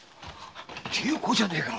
龍虎じゃねえか？